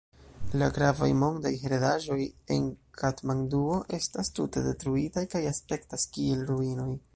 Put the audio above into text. La gravaj mondaj heredaĵoj en Katmanduo estas tute detruitaj kaj aspektas kiel ruinoj.